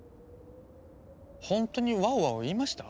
ほんとに「ワオワオ」言いました？